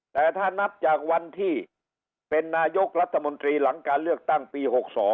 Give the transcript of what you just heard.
แต่ถ้านับจากวันที่เป็นนายกรัฐมนตรีหลังการเลือกตั้งปี๖๒